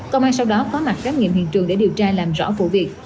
công an sau đó có mặt khám nghiệm hiện trường để điều tra làm rõ vụ việc